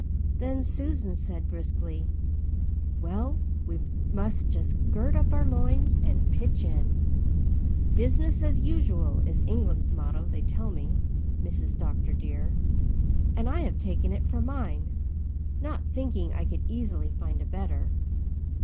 Then Susan said briskly, "Well, we must just gird up our loins and pitch in. Business as usual is England's motto, they tell me, Mrs. Dr. dear, and I have taken it for mine, not thinking I could easily find a better.